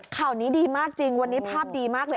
ข่าวนี้ดีมากจริงวันนี้ภาพดีมากเลย